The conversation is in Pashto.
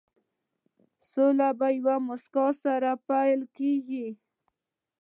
سوله په یوې موسکا سره پيل کېږي.